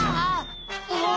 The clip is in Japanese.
うわ！